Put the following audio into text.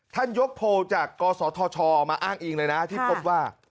ยกโพลจากกศธชมาอ้างอิงเลยนะที่พบว่า